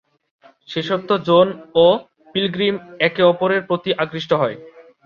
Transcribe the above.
শেষোক্ত জন ও পিলগ্রিম একে অপরের প্রতি আকৃষ্ট হয়।